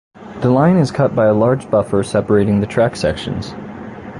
The line is cut by a large buffer separating the track sections.